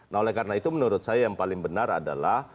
nah oleh karena itu menurut saya yang paling benar adalah